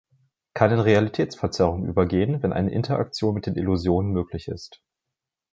Kann in Realitätsverzerrung übergehen, wenn eine Interaktion mit den Illusionen möglich ist.